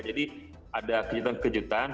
jadi ada kejutan kejutan